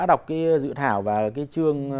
đọc cái dự thảo và cái chương